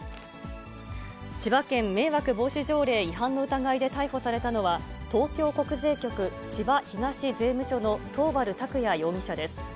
千葉県迷惑防止条例違反の疑いで逮捕されたのは、東京国税局千葉東税務署の桃原卓也容疑者です。